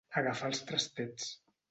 Agafar els trastets.